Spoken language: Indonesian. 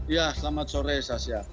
ya selamat sore sasyah